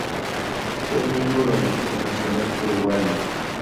Es miembro del equipo nacional uruguayo.